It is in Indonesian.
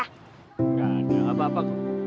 gak ada apa apa